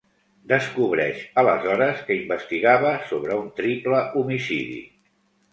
Descobreix aleshores que investigava sobre un triple homicidi.